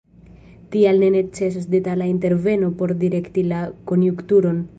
Tial ne necesas detala interveno por direkti la konjunkturon.